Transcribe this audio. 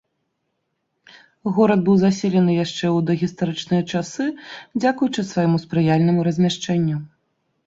Горад быў заселены яшчэ ў дагістарычныя часы, дзякуючы свайму спрыяльнаму размяшчэнню.